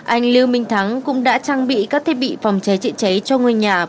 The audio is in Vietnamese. anh lưu minh thắng cũng đã trang bị các thiết bị phòng cháy chữa cháy cho ngôi nhà